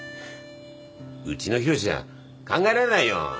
うちの浩志じゃ考えられないよ。